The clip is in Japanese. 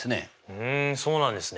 ふんそうなんですね。